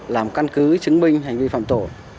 làm căn cứ chứng minh hành vi phạm tổ